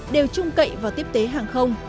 đều trung cậy vào tiếp tế hàng không